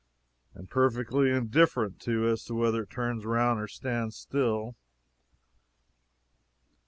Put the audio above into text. And perfectly indifferent, too, as to whether it turns around or stands still.